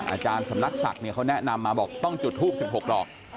อาจารย์สำนักศักดิ์เขาแนะนำมาบอกต้องจุดทูป๑๖ดอก